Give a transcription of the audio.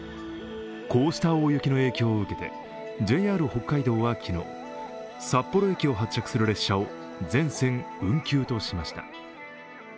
こうした大雪の影響を受けてＪＲ北海道は、昨日札幌駅を発着する列車を全線運休としました。